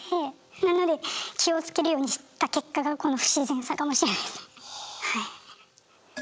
なので気をつけるようにした結果がこの不自然さかもしれないですねはい。